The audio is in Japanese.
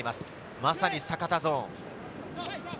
まさに阪田ゾーン。